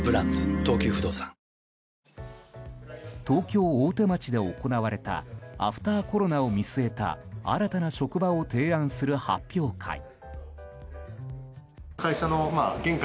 東京・大手町で行われたアフターコロナを見据えた新たな職場を提案する発表会。